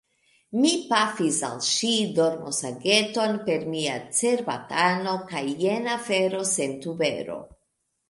Mi pafis al ŝi dormosageton per mia cerbatano, kaj jen afero sen tubero.